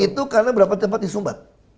itu karena berapa tempat di sumbat